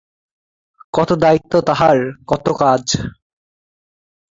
কত দায়িত্ব তাহার, কত কাজ।